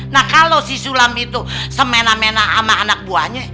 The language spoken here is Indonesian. nah kalau si sulam itu semena mena sama anak buahnya